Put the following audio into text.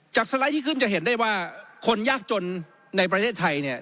สไลด์ที่ขึ้นจะเห็นได้ว่าคนยากจนในประเทศไทยเนี่ย